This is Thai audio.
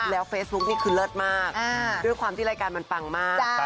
แล้วเฟซบุ๊กนี่คือเลิศมากด้วยความที่รายการมันปังมาก